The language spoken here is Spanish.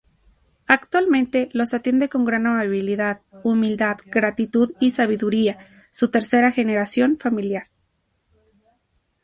Actualmente los atiende con gran amabilidad, humildad, gratitud y sabiduría su tercera generación familiar.